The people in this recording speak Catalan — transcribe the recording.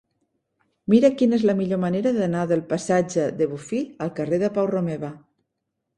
Mira'm quina és la millor manera d'anar del passatge de Bofill al carrer de Pau Romeva.